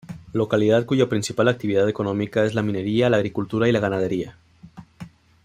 Localidad cuya principal actividad económica es la minería la agricultura y la ganadería.